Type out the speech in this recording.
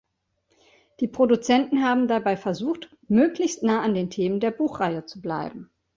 Die Produzenten haben dabei versucht, möglichst nah an den Themen der Buchreihe zu bleiben.